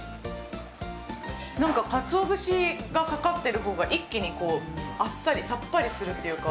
なんかカツオ節がかかってるほうが一気にあっさり、さっぱりするというか。